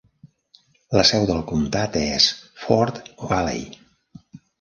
La seu del comtat és Fort Valley.